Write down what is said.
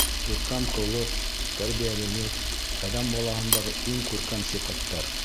Күркәм холоҡ, тәрбиәлелек — әҙәм балаһындағы иң күркәм сифаттар.